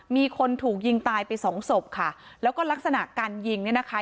มีคนถูกยิงตายไปสองศพค่ะแล้วก็ลักษณะการยิงเนี่ยนะคะ